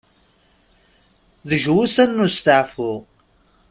Deg wussan n usetaɛfu.